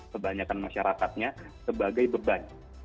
kebanyakan masyarakatnya sebagai beban